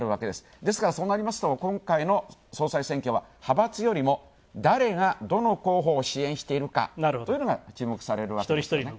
ですから、そうなりますと、今回の総裁選挙は派閥よりも誰が、どの候補を支援しているかというのが注目されるわけです。